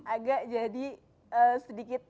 agak jadi sedikit